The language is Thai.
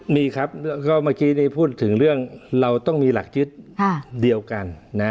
มีครับก็เมื่อกี้นี้พูดถึงเรื่องเราต้องมีหลักยึดเดียวกันนะ